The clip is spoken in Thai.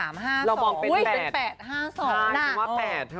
มองเป็น๘น่ะ